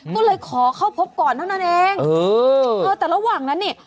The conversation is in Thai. ก็เลยขอเข้าพบก่อนเท่านั้นเองเออเออแต่ระหว่างนั้นเนี่ย